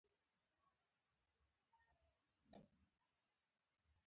د شنو سیمو غصبول جنایت دی.